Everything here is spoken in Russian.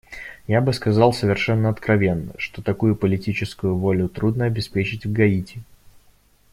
Я бы сказал совершено откровенно, что такую политическую волю трудно обеспечить в Гаити.